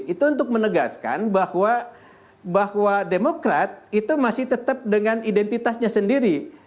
itu untuk menegaskan bahwa demokrat itu masih tetap dengan identitasnya sendiri